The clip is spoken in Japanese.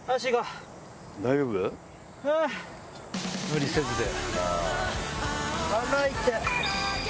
無理せずで。